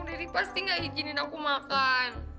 pasti gak izinin aku makan